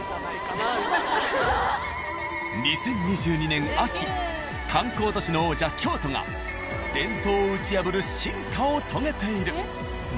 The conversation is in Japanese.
２０２２年秋観光都市の王者・京都が伝統を打ち破る進化を遂げている。